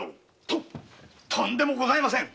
とんでもございません。